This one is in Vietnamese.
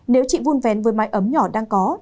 nếu chị vun vén với mái ấm nhỏ đang có